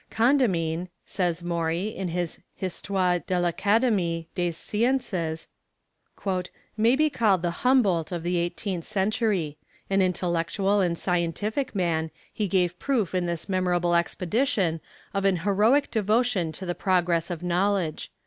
"Condamine," says Maury in his "Histoire de l'Académie des Sciences," "may be called the Humboldt of the eighteenth century. An intellectual and scientific man, he gave proof in this memorable expedition of an heroic devotion to the progress of knowledge.